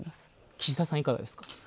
岸田さん、いかがですか？